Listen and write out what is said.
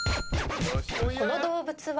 この動物は？